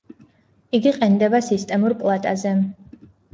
იგი ყენდება სისტემურ პლატაზე.